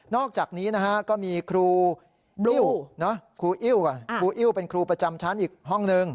นอกจากนี้ก็มีครูอิวครูอิวเป็นครูประจำชั้นอีกห้องหนึ่ง